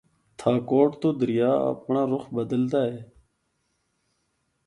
تھاکوٹ تو دریا اپنڑا رُخ بدلا ہے۔